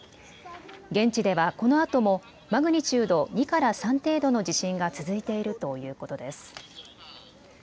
現地ではこのあともマグニチュード２から３程度の地震が続いているということです。